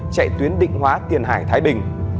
chạy tuyến định hóa tiền hải thái bình